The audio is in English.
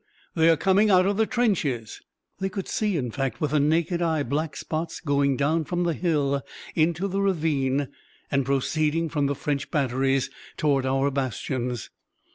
They are coming out of the trenches!' "They could see, in fact, with the naked eye black spots going down from the hill into the ravine, and proceeding from the French batteries toward our bastions.